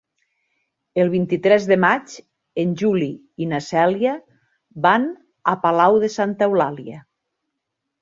El vint-i-tres de maig en Juli i na Cèlia van a Palau de Santa Eulàlia.